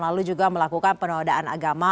lalu juga melakukan penodaan agama